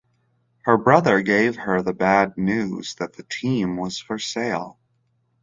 Her brother gave her the bad news that the team was for sale.